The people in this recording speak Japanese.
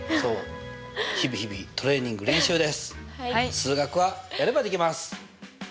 数学はやればできます！